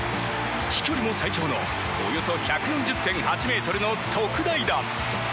飛距離も最長のおよそ１４０．８ｍの特大弾！